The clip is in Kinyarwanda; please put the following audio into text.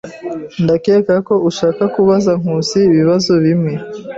Ndakeka ko ushaka kubaza Nkusi ibibazo bimwe.